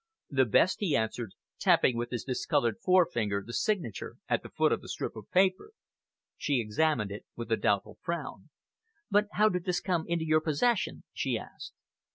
"The best," he answered, tapping with his discoloured forefinger the signature at the foot of the strip of paper. She examined it with a doubtful frown. "But how did this come into your possession?" she asked.